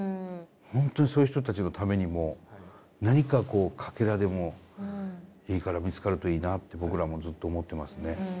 ほんとにそういう人たちのためにも何かこうかけらでもいいから見つかるといいなって僕らもずっと思ってますね。